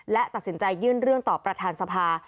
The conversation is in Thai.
และตัดสินใจยื่นเรื่องต่อประธานสภา